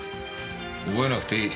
覚えなくていい。